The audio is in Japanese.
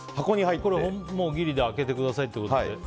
ギリで開けてくださいってことで。